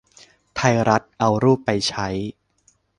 ไทยรัฐ เอารูปไปใช้